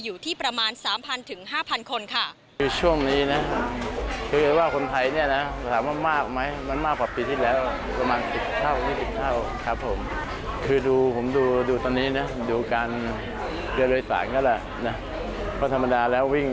อยู่ที่ประมาณ๓๐๐ถึง๕๐๐คนค่ะ